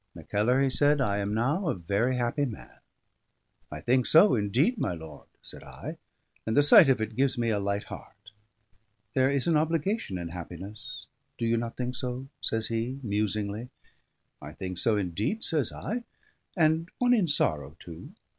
"Mackellar," he said, "I am now a very happy man." "I think so indeed, my lord," said I, "and the sight of it gives me a light heart." "There is an obligation in happiness do you not think so?" says he musingly. "I think so indeed," says I, "and one in sorrow too.